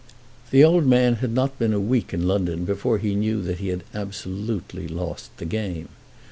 The old man had not been a week in London before he knew that he had absolutely lost the game.